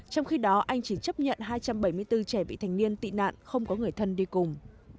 trong khi đó anh chỉ chấp nhận hai trăm bảy mươi bốn trẻ bị thành niên tị nạn không có người thân đi cùng